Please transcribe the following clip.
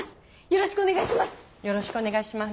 よろしくお願いします。